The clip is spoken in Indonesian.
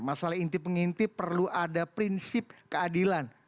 masalah intip mengintip perlu ada prinsip keadilan